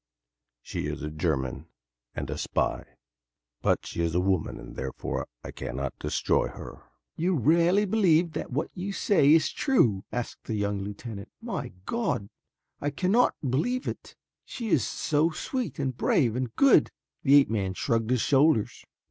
She is a German and a spy, but she is a woman and therefore I cannot destroy her." "You really believe that what you say is true?" asked the young lieutenant. "My God! I cannot believe it. She is so sweet and brave and good." The ape man shrugged his shoulders.